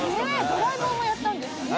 「ドラえもん」もやったんですね。